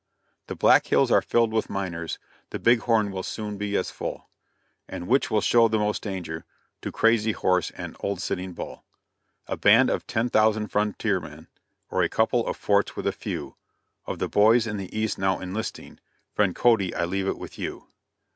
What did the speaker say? The Black Hills are filled with miners, The Big Horn will soon be as full, And which will show the most danger To Crazy Horse and old Sitting Bull A band of ten thousand frontier men, Or a couple of forts with a few Of the boys in the East now enlisting Friend Cody, I leave it with you.